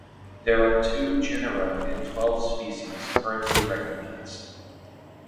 There are two genera and twelve species currently recognized.